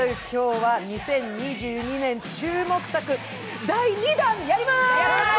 今日は２０２２年注目作、第２弾やります！